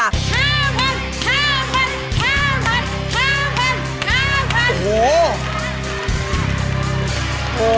โอ้โห